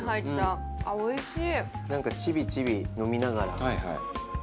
なんかちびちび飲みながら。